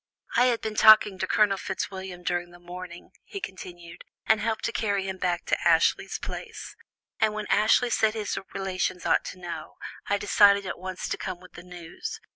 "I had been talking to Colonel Fitzwilliam during the morning," he continued, "and helped to carry him back to Ashley's place, and when Ashley said his relations ought to know, I decided at once to come with the news.